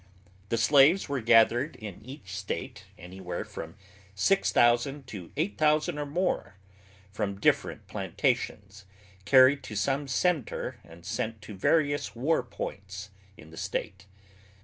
The slaves were gathered in each state, anywhere from 6000 to 8000 or more, from different plantations, carried to some centre and sent to various war points in the state.